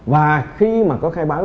và khi mà có khai báo